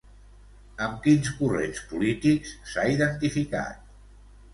Amb quins corrents polítics s'ha identificat?